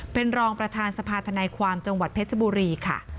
เป็นรองประธานสภาธนายความจังหวัดเพชรบุรีค่ะ